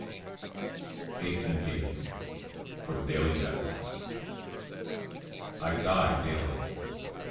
EIGHTEENTH EVENING. FOR THE DAILY DEATH. "I die daily."